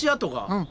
うん。